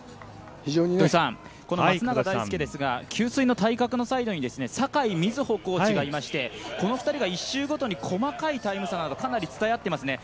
この松永大介ですが給水の対角のサイドに酒井瑞穂コーチがいましてこの２人が１周ごとに細かいタイム差などかなり伝え合っていますね。